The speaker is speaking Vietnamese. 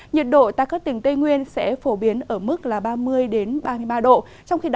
nhiệt độ tại các tỉnh tây nguyên